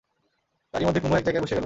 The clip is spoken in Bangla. তারই মধ্যে কুমু এক জায়গায় বসে গেল।